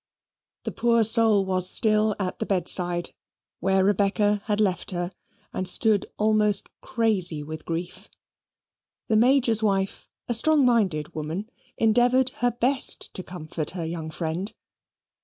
The poor soul was still at the bedside, where Rebecca had left her, and stood almost crazy with grief. The Major's wife, a stronger minded woman, endeavoured her best to comfort her young friend.